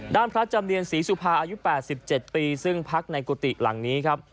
พระจำเนียนศรีสุภาอายุ๘๗ปีซึ่งพักในกุฏิหลังนี้ครับ